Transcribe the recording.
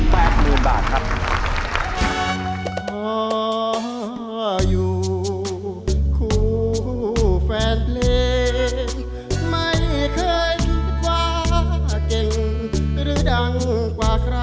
หมื่นบาทครับ